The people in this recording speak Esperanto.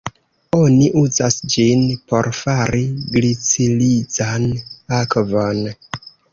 Oni uzas ĝin por fari glicirizan akvon.